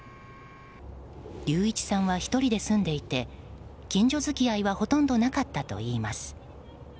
隆一さんは１人で住んでいて近所づきあいはほとんどなかったといいます。